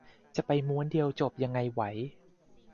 จะไปม้วนเดียวจบยังไงไหว